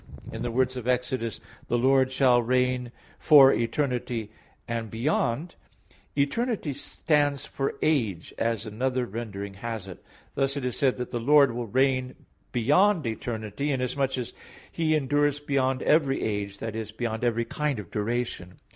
In the words of Exodus, "The Lord shall reign for eternity, and beyond," eternity stands for age, as another rendering has it. Thus it is said that the Lord will reign beyond eternity, inasmuch as He endures beyond every age, i.e. beyond every kind of duration.